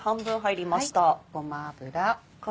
ごま油。